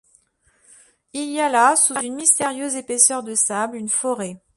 Il y a là, sous une mystérieuse épaisseur de sable, une forêt.